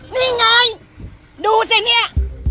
นี่ไงดูสิเนี่ย